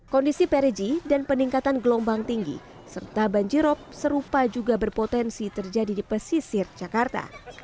kondisi perigi dan peningkatan gelombang tinggi serta banjirop serupa juga berpotensi terjadi di pesisir jakarta